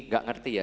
gak ngerti ya